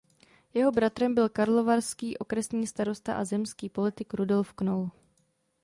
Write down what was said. Jeho bratrem byl karlovarský okresní starosta a zemský politik Rudolf Knoll.